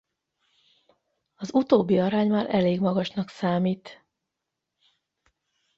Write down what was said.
Az utóbbi arány már elég magasnak számít.